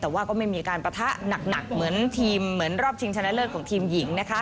แต่ว่าก็ไม่มีการปะทะหนักเหมือนทีมเหมือนรอบชิงชนะเลิศของทีมหญิงนะคะ